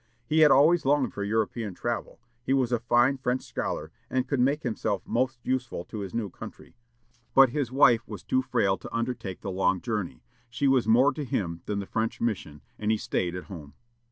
He had always longed for European travel; he was a fine French scholar, and could make himself most useful to his new country, but his wife was too frail to undertake the long journey. She was more to him than the French mission, and he stayed at home.